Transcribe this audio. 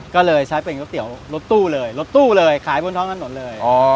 ก็เลยใช้เป็นก๋วยเตี๋ยวรถตู้เลยรถตู้เลยขายบนท้องถนนเลย